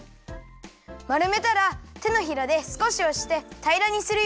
まるめたらてのひらですこしおしてたいらにするよ。